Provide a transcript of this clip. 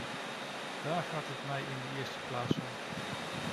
Daar gaat het mij in de eerste plaats om.